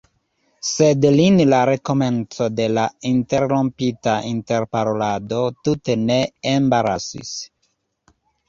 Sed lin la rekomenco de la interrompita interparolado tute ne embarasis.